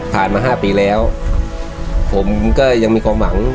มา๕ปีแล้วผมก็ยังมีความหวัง